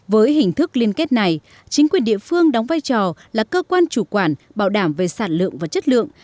với hình thức liên kết này chính quyền địa phương đóng vai trò là cơ quan chủ quản bảo đảm về sản lượng và chất lượng